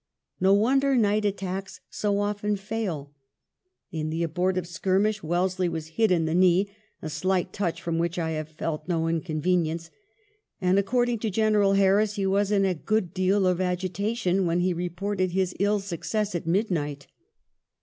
No wonder night attacks so often fail. In the abortive skirmish Wellesley was hit in the knee, "a slight touch from which I have felt no inconvenience "; and according to General Harris, he was in a good deal of agitation when he reported his ill success at midnight.